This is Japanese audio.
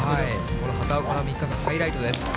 この畑岡の３日間のハイライトです。